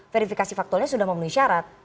verifikasi faktualnya sudah memenuhi syarat